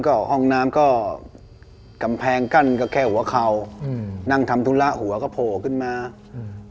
ก็ห้องน้ำก็กำแพงกั้นก็แค่หัวเข่าอืมนั่งทำธุระหัวก็โผล่ขึ้นมาอืม